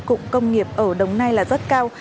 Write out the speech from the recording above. cục công nghiệp ở đồng nai là rất cao